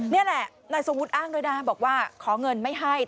นี่แหละนายทรงวุฒิอ้างด้วยนะบอกว่าขอเงินไม่ให้